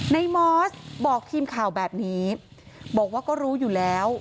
มอสบอกทีมข่าวแบบนี้บอกว่าก็รู้อยู่แล้ว